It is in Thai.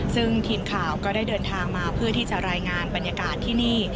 ซึ่งทีมข่าวก็ได้เดินทางมาเพื่อที่จะรายงานบรรยากาศที่นี่